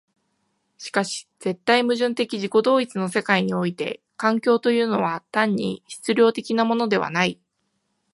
しかし絶対矛盾的自己同一の世界において環境というのは単に質料的なものではない。